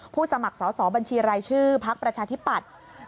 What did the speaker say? สมัครสอบบัญชีรายชื่อพักประชาธิปัตย์